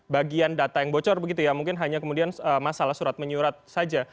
bagian data yang bocor begitu ya mungkin hanya kemudian masalah surat menyurat saja